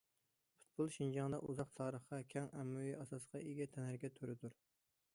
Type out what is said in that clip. پۇتبول شىنجاڭدا ئۇزاق تارىخقا، كەڭ ئاممىۋى ئاساسقا ئىگە تەنھەرىكەت تۈرىدۇر.